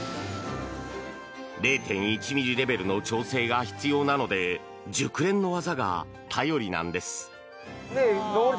０．１ｍｍレベルの調整が必要なので熟練の技が頼りなんです。